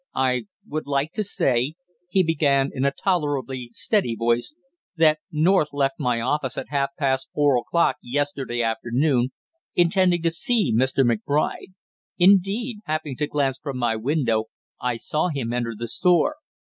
"I would like to say," he began in a tolerably steady voice, "that North left my office at half past four o'clock yesterday afternoon intending to see Mr. McBride; indeed, happening to glance from my window, I saw him enter the store.